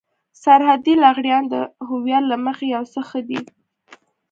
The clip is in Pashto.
سرحدي لغړيان د هويت له مخې يو څه ښه دي.